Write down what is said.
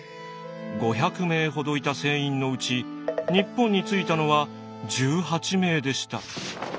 ５００名ほどいた船員のうち日本に着いたのは１８名でした。